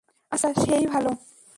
আচ্ছা, সেই ভালো।